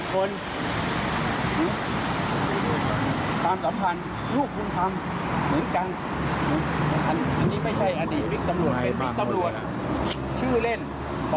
เป็นวิทย์ตำรวจชื่อเล่นปป